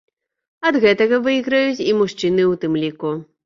Ад гэтага выйграюць і мужчыны ў тым ліку.